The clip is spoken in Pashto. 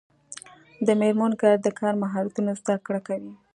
د میرمنو کار د کار مهارتونو زدکړه کوي.